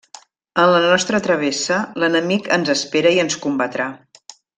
En la nostra travessa, l'enemic ens espera i ens combatrà.